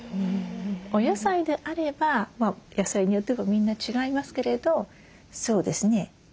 お野菜であれば野菜によってもみんな違いますけれどそうですね